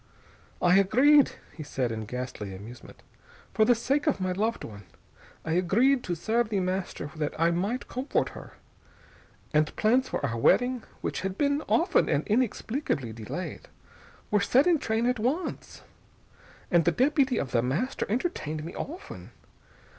"I agreed," he said in ghastly amusement. "For the sake of my loved one, I agreed to serve The Master that I might comfort her. And plans for our wedding, which had been often and inexplicably delayed, were set in train at once. And the deputy of The Master entertained me often.